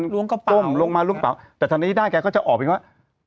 ล้วงกระเป๋าลงมาลงมาได้เขาจะออกว่า